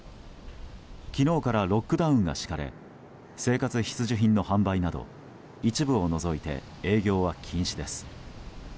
昨日からロックダウンが敷かれ生活必需品の販売など一部を除いて営業は禁止です。